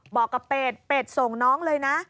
บอกกับเป็ดเป็ดส่งน้องเลยนะ